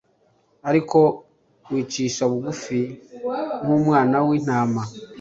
Ariko wicishe bugufi nk'umwana w'intama